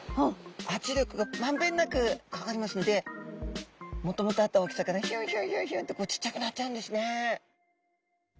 圧力がまんべんなくかかりますのでもともとあった大きさからヒュンヒュンヒュンってこうちっちゃくなっちゃうんですね。